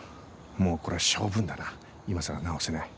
もうこれは性分だな今更直せない。